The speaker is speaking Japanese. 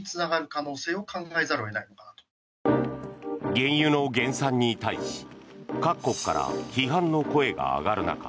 原油の減産に対し各国から批判の声が上がる中